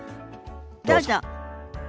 どうぞ。